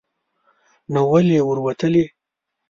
نو ولې ور وتلی ؟